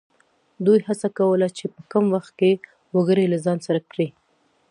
دوی هڅه کوله چې په کم وخت کې وګړي له ځان سره کړي.